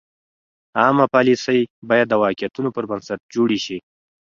عامه پالیسۍ باید د واقعیتونو پر بنسټ جوړې شي.